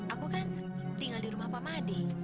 aku kan tinggal di rumah pak made